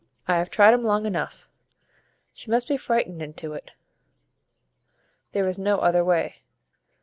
I have tried 'um long enough. She must be frightened into it, there is no other way.